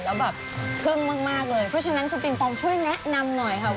เพราะฉะนั้นคุณปิ๋งปองช่วยแนะนำหน่อยค่ะ